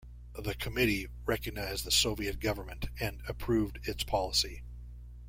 The committee recognized the Soviet government and approved its policy.